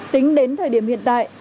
tính đến thời điểm hiện tại